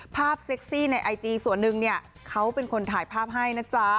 เซ็กซี่ในไอจีส่วนหนึ่งเนี่ยเขาเป็นคนถ่ายภาพให้นะจ๊ะ